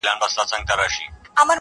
هرڅه بدل دي، د زمان رنګونه واوښتله!.